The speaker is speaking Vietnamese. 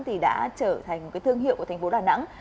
thì đã trở thành cái thương hiệu của thành phố đà nẵng